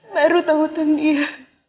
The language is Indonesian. baru tanggutang dia